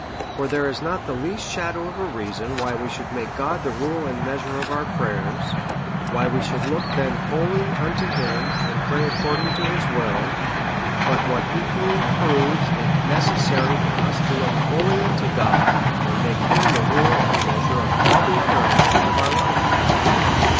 For there is not the least shadow of a reason why we should make God the rule and measure of our prayers, why we should then look wholly unto him, and pray according to his will; but what equally proves it necessary for us to ^ A SERIOUS CALL TO A look wholly unto God, and make him the rule and mea sure of all the other actions of our life.